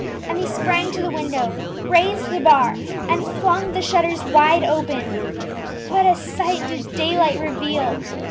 Emmie sprang to the window, raised the bar, and flung the shutters wide open. What a sight did daylight reveal!